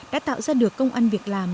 đã tạo ra được công an việc làm